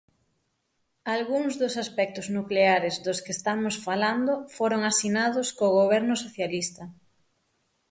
Algúns dos aspectos nucleares dos que estamos falando foron asinados co Goberno socialista.